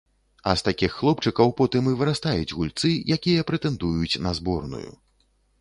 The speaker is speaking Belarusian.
А з такіх хлопчыкаў потым і вырастаюць гульцы, якія прэтэндуюць на зборную.